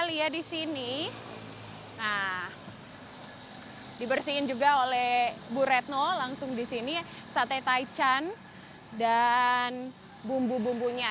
nah disini dibersihin juga oleh bu ratno langsung disini sate taichan dan bumbu bumbunya